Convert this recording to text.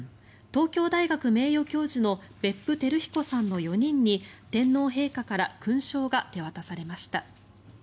東京大学名誉教授の別府輝彦さんの４人に天皇陛下から勲章が手渡されました。